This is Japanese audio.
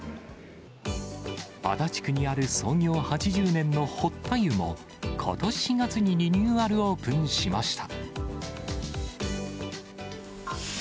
足立区にある創業８０年の堀田湯も、ことし４月にリニューアルオープンしました。